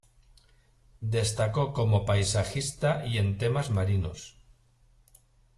Destacó como paisajista y en temas marinos.